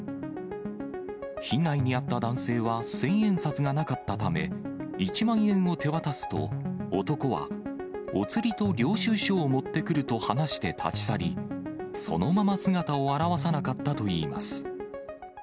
被害に遭った男性は千円札がなかったため、１万円を手渡すと、男は、お釣りと領収書を持ってくると話して立ち去り、そのまま姿を現さなかったといいます。